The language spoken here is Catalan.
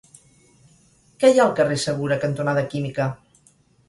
Què hi ha al carrer Segura cantonada Química?